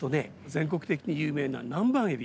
全国的に有名な南蛮エビ。